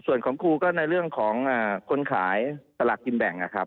ส่วนของครูก็ในเรื่องของคนขายตลาดกินแบ่ง